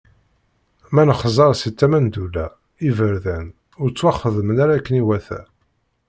Ma nexẓer si tama n ddula: Iberdan ur ttwaxedmen ara akken iwata.